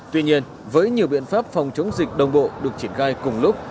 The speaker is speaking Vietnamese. tuy nhiên với nhiều biện pháp phòng chống dịch đồng bộ được triển khai cùng lúc